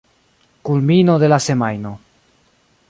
Kulmino de la semajno.